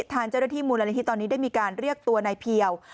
ทางเจ้าหน้าที่มูลนิธิตอนนี้ได้มีการเรียกตัวนายเพียว